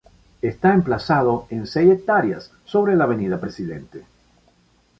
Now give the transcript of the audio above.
Está emplazado en seis hectáreas, sobre la avenida Pte.